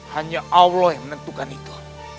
hanya allah yang menentukan itu